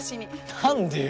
何でよ。